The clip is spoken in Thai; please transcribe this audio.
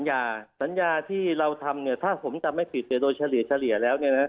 ตามสัญญาถ้าผมจำให้ผิดโดยเฉลี่ยแล้ว